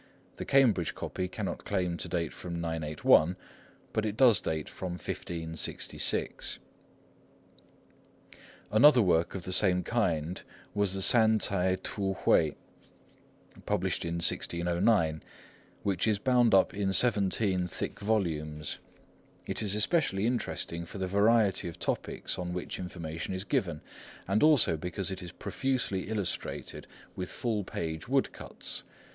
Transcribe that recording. The Cambridge copy cannot claim to date from 981, but it does date from 1566. Another work of the same kind was the San Ts'ai T'u Hui, issued in 1609, which is bound up in seventeen thick volumes. It is especially interesting for the variety of topics on which information is given, and also because it is profusely illustrated with full page woodcuts.